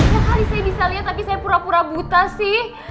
berkali kali saya bisa liat tapi saya pura pura buta sih